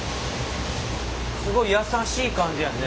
すごい優しい感じやね。